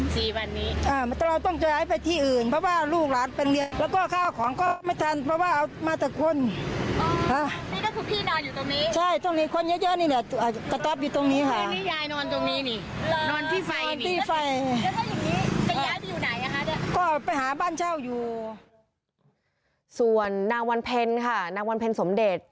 ส่วนนางวันเพลินค่ะนางวันเพลินสมเด็จ